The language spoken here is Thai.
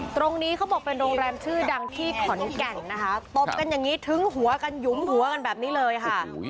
เขาบอกเป็นโรงแรมชื่อดังที่ขอนแก่นนะคะตบกันอย่างนี้ถึงหัวกันหยุมหัวกันแบบนี้เลยค่ะ